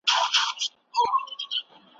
د سياست علم د ځمکي پر مخ خپور سو.